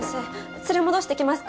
連れ戻してきますか？